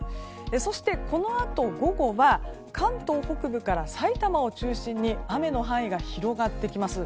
そして、このあと午後は関東北部から埼玉を中心に雨の範囲が広がってきます。